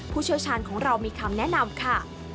เชี่ยวชาญของเรามีคำแนะนำค่ะ